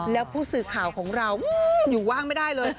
แล้วผู้สื่อข่าวของเราอยู่ว่างไม่ได้เลย